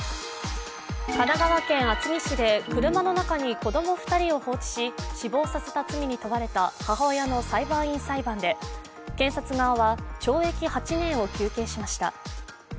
神奈川県厚木市で車の中に子供２人を放置し死亡させた罪に問われた母親の裁判員裁判で検察側は、懲役８年を求刑しました。